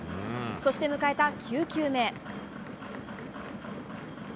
そして迎えた９球目。